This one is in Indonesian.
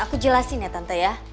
aku jelasin ya tante ya